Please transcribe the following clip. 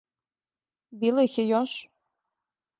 Било их је још?